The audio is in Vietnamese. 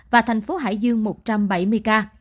và thành phố hải dương một trăm bảy mươi ca